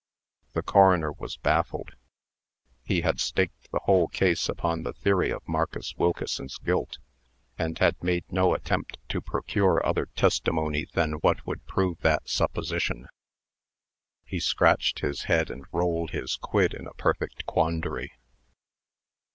The coroner was baffled. He had staked the whole case upon the theory of Marcus Wilkeson's guilt, and had made no attempt to procure other testimony than what would prove that supposition. He scratched his head and rolled his quid in a perfect quandary.